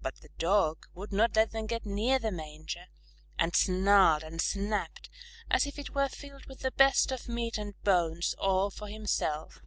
But the Dog would not let them get near the manger, and snarled and snapped as if it were filled with the best of meat and bones, all for himself.